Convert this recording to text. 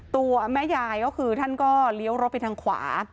ตัวแม่ยายก็คือท่านก็เลี้ยวรถไปทางขวา